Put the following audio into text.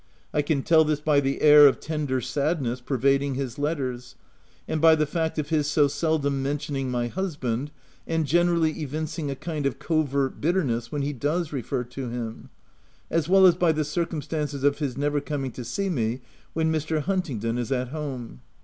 I can tell this by the air of tender sadness pervading his letters ; and by the fact of his so seldom men tioning my husband, and generally evincing a kind of covert bitterness when he does refer to him; as well as by the circumstances of his never coming to see me when Mr. Huntingdon is at home.